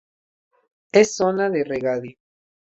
Es zona de regadío.